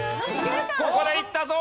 ここでいったぞ！